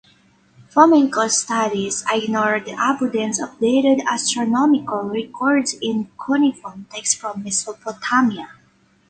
Fomenko's studies ignore the abundance of dated astronomical records in cuneiform texts from Mesopotamia.